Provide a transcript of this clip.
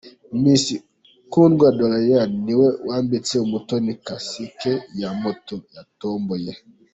Miss Kundwa Doriane niwe wambitse Umutoni Kasike ya Moto yatomboye.